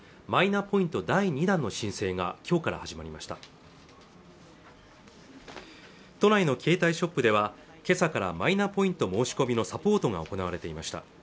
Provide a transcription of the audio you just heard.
第２弾の申請がきょうから始まりました都内の携帯ショップではけさからマイナポイント申し込みのサポートが行われていました